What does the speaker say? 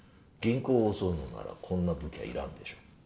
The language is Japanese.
銀行を襲うのならこんな武器は要らんでしょう。